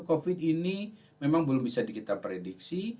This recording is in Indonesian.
covid ini memang belum bisa kita prediksi